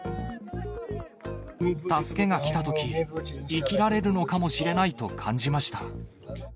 助けが来たとき、生きられるのかもしれないと感じました。